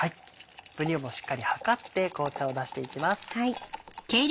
分量もしっかり量って紅茶を出していきます。